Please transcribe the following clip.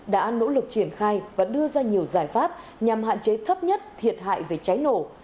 đã nỗ lực triển khai và đưa ra nhiều giải pháp nhằm hạn chế thấp nhất thiệt hại về cháy nổ